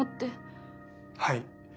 はい。